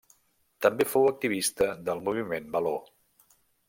També fou activista del moviment való.